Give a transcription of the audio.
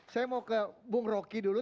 saya mau ke bung roky dulu